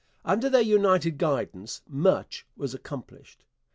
Under their united guidance much was accomplished.